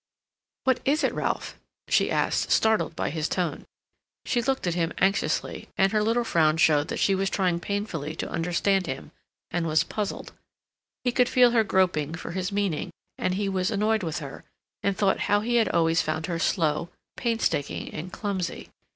"What is it, Ralph?" she asked, startled by his tone. She looked at him anxiously, and her little frown showed that she was trying painfully to understand him, and was puzzled. He could feel her groping for his meaning, and he was annoyed with her, and thought how he had always found her slow, painstaking, and clumsy.